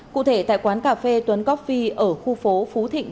cụ thể tại quán cà phê tuấn coffi ở khu phố phú thịnh